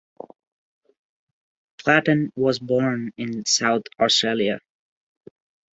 Platten was born in South Australia.